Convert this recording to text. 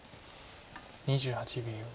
２８秒。